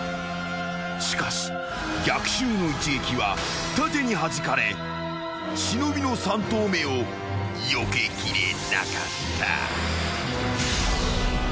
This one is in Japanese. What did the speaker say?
［しかし逆襲の一撃は盾にはじかれ忍の３投目をよけきれなかった］